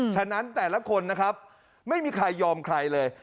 ฉะนั้นแต่ละคนนะครับไม่มีใครยอมใครเลย